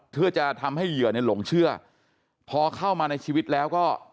เพื่อจะทำให้เหยื่อเนี่ยหลงเชื่อพอเข้ามาในชีวิตแล้วก็